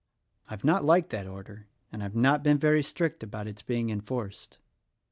"I've not liked that order, and I've not been very strict about its being enforced."